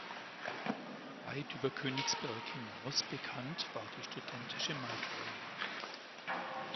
Weit über Königsberg hinaus bekannt war die studentische Maifeier.